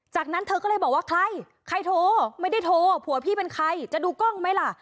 จากนั้นเธอก็เลยบอกว่าใครใครโทรไม่ได้โทรผัวพี่เป็นใครจะดูกล้องไหมล่ะ